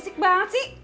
risik banget sih